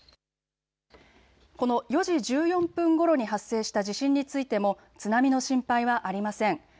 この４時１４分ごろに発生した地震についても津波の心配はありません。